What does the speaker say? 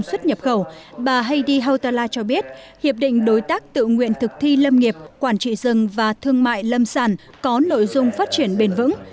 xuất nhập khẩu bà heidi hautala cho biết hiệp định đối tác tự nguyện thực thi lâm nghiệp quản trị rừng và thương mại lâm sản có nội dung phát triển bền vững